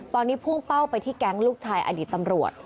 ตอนนี้พุ่งเป้าไปที่แก๊งลูกชายอดีตตำรวจ